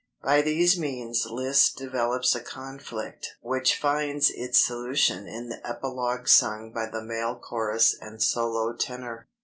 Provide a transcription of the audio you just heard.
By these means Liszt develops a conflict which finds its solution in the epilogue sung by the male chorus and solo tenor.